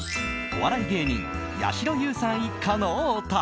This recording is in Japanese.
お笑い芸人やしろ優さん一家のお宅。